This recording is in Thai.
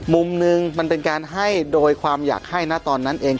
มุมหนึ่งมันเป็นการให้โดยความอยากให้นะตอนนั้นเอง